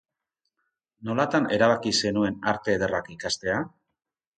Nolatan erabaki zenuen Arte Ederrak ikastea?